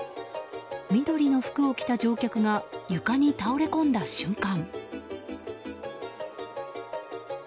緑の服を着た乗客が床に倒れ込んだ瞬間。